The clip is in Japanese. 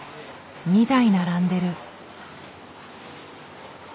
２台並んでる。